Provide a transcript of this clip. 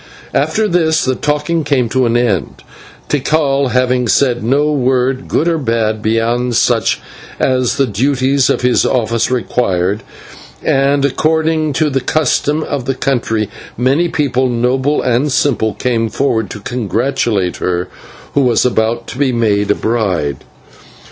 After this the talking came to an end, Tikal having said no word, good or bad, beyond such as the duties of his office required; and according to the custom of the country many people, noble and simple, came forward to congratulate her who was about to be made a bride.